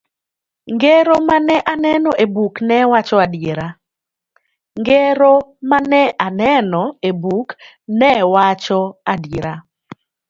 Ngero mane aneno e buk ne wacho adiera.